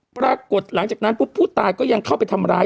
ปรากฏหลังจากนั้นปุ๊บผู้ตายก็ยังเข้าไปทำร้าย